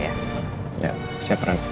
ya siap ren